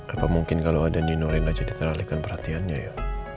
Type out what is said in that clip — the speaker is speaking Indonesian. apa mungkin kalau ada nino rena jadi terlalikan perhatiannya ya